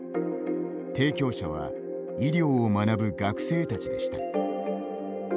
提供者は医療を学ぶ学生たちでした。